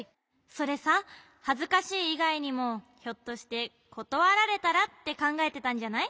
それさはずかしいいがいにもひょっとして「ことわられたら」ってかんがえてたんじゃない？